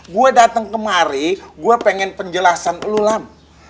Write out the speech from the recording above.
gua datang kemari gua pengen penjelasan lo lam